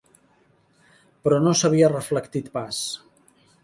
Però no s'havia reflectit pas